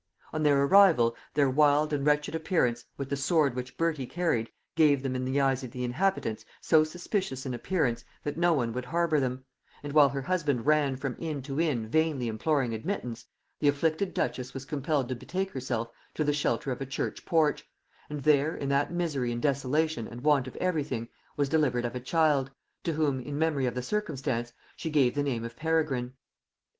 On their arrival, their wild and wretched appearance, with the sword which Bertie carried, gave them in the eyes of the inhabitants so suspicious an appearance, that no one would harbour them; and while her husband ran from inn to inn vainly imploring admittance, the afflicted duchess was compelled to betake herself to the shelter of a church porch; and there, in that misery and desolation and want of every thing, was delivered of a child, to whom, in memory of the circumstance, she gave the name of Peregrine.